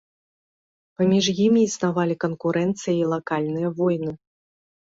Паміж імі існавалі канкурэнцыя і лакальныя войны.